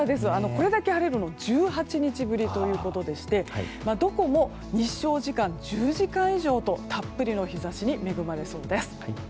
これだけ晴れるのは１８日ぶりでどこも日照時間１０時間以上とたっぷりの日差しに恵まれそうです。